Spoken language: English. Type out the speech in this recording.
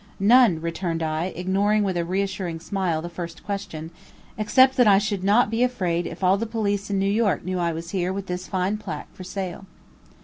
"None," returned I, ignoring with a reassuring smile the first question, "except that I should not be afraid if all the police in New York knew I was here with this fine placque for sale."